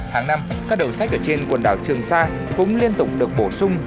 hàng năm các đầu sách ở trên quần đảo trường sa cũng liên tục được bổ sung